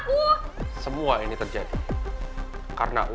pasti hidup gue main main aja